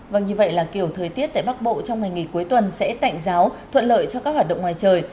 vâng như vậy là kiểu thời tiết tại bắc bộ trong ngày nghỉ cuối tuần sẽ tạnh giáo thuận lợi cho các hoạt động ngoài trời